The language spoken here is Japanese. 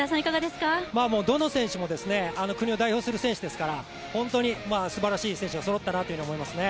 どの選手も国を代表する選手ですから、本当にすばらしい選手がそろったなと思いますね。